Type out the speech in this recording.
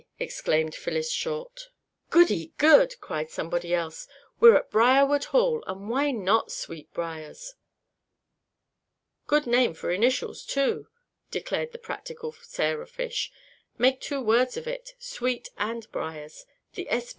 exclaimed Phyllis Short. "Goody good!" cried somebody else. "We're at Briarwood Hall, and why not Sweetbriars?" "Good name for initials, too," declared the practical Sarah Fish. "Make two words of it Sweet and Briars. The 'S.